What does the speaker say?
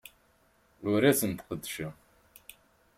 Ur asen-d-qeddceɣ.